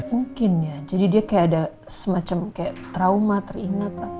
mungkin ya jadi dia kayak ada semacam trauma teringat